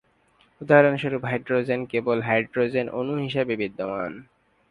উদাহরণস্বরূপ, হাইড্রোজেন কেবল হাইড্রোজেন অণু হিসাবে বিদ্যমান।